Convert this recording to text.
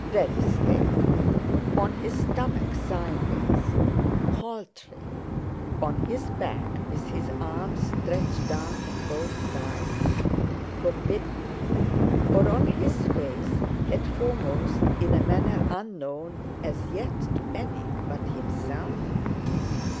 Very stale. On his stomach, sideways? Paltry! On his back, with his arms stretched down on both sides? Forbidden! Or on his face, head foremost, in a manner unknown as yet to any but himself?